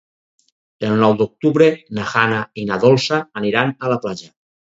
El nou d'octubre na Jana i na Dolça aniran a la platja.